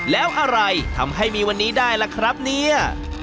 แล้วอะไรทำให้มีวันนี้ได้ล่ะครับเนี่ย